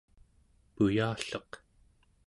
puyalleq